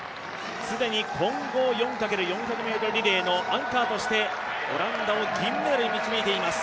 既に混合４×４００ｍリレーのアンカーとしてオランダを銀メダルに導いています。